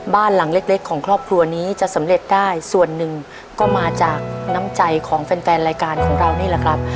บ้านหลังเล็กของครอบครัวนี้จะสำเร็จได้ส่วนหนึ่งก็มาจากน้ำใจของแฟนแฟนรายการของเรานี่แหละครับ